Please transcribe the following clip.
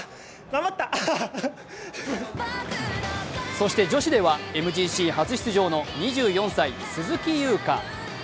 そして女子ではＭＧＣ初出場の２４歳、鈴木優花。